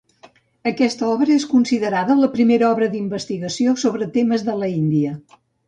Aquesta obra és considerada la primera obra d'investigació sobre temes de l'Índia.